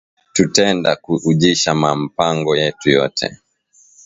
Tutenda ku ujisha ma mpango yetu yote